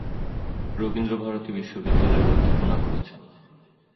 রবীন্দ্রভারতী বিশ্ববিদ্যালয়ে অধ্যাপনা করেছেন।